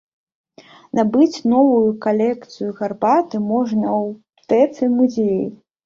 Набыць новую калекцыю гарбаты можна ў аптэцы-музеі.